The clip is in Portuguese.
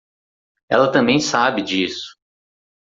Ela também sabe disso!